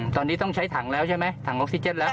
ตอนนี้ต้องใช้ถังแล้วใช่ไหมถังออกซิเจนแล้ว